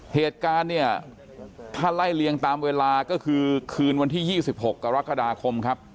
เหตุการณ์เนี่ยถ้าไล่เลียงตามเวลาก็คือคืนวันที่๒๖กรกฎาคมครับ